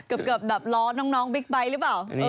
เกือบแบบล้อน้องบิ๊กไบท์หรือเปล่า